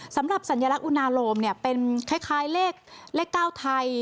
สำหรับสัญลักษุณาโลมเป็นคล้ายเลข๙ไทย